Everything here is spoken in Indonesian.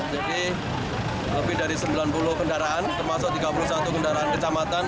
jadi lebih dari sembilan puluh kendaraan termasuk tiga puluh satu kendaraan kecamatan